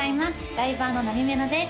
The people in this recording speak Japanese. ライバーのなみめろです